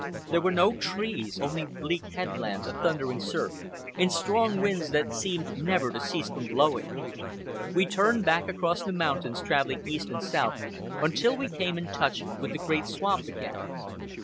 There were no trees—only bleak headlands, a thundering surf, and strong winds that seemed never to cease from blowing. We turned back across the mountains, travelling east and south, until we came in touch with the great swamp again.